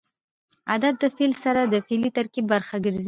عدد د فعل سره د فعلي ترکیب برخه ګرځي.